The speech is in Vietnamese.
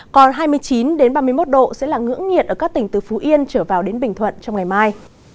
còn hai mươi chín ba mươi một độ sẽ là ngưỡng nhiệt ở các tỉnh từ phú yên trở vào đến bình thuận trong ngày mai